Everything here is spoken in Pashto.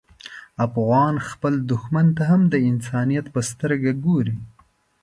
افغان خپل دښمن ته هم د انسانیت په سترګه ګوري.